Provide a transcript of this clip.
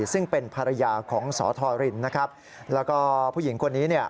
ซึ่งเป็นภรรยาของสธรินแล้วก็ผู้หญิงคนนี้